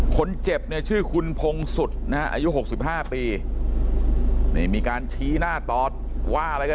คนเจ็บเนี่ยชื่อคุณพงศุษย์นะฮะอายุหกสิบห้าปีนี่มีการชี้หน้าต่อว่าอะไรกัน